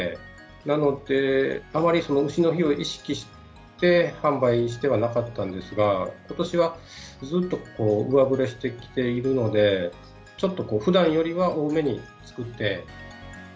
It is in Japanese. なので、あまりそのうしの日を意識して販売してはなかったんですが、ことしはずっと上振れしてきているので、ちょっとふだんよりは多めに作って。